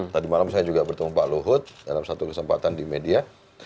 tadi malam saya juga bertemu pak luhut dalam satu kesempatan di media